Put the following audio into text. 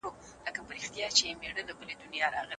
څارنوال به ټول شواهد محکمي ته وړاندې کړي.